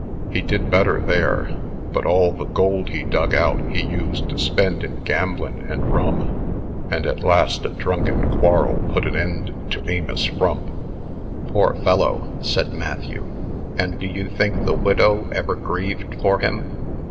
He did better there; but all the gold he dug out he used to spend in gamblin' and rum; and at last a drunken quarrel put an end to Amos Frump." "Poor fellow!" said Matthew. "And do you think the widow ever grieved for him?"